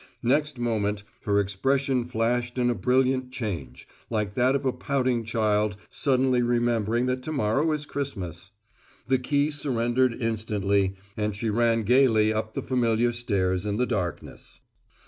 Next moment, her expression flashed in a brilliant change, like that of a pouting child suddenly remembering that tomorrow is Christmas. The key surrendered instantly, and she ran gayly up the familiar stairs in the darkness.